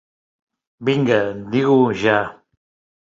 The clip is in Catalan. Vinga, diga-ho ja!